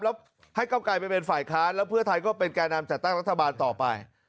แล้วให้เก้าไกลไปเป็นฝ่ายค้านแล้วเพื่อไทยก็เป็นแก่นำจัดตั้งรัฐบาลต่อไป